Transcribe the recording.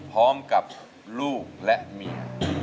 พร้อมกับลูกและเมีย